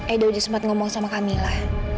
edo sudah sempat ngomong sama kamila